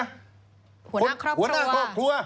หัวหน้าครอบครัว